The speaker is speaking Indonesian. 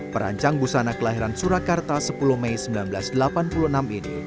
perancang busana kelahiran surakarta sepuluh mei seribu sembilan ratus delapan puluh enam ini